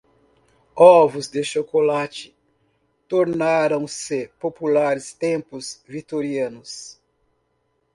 Ovos de chocolate tornaram-se populares tempos vitorianos.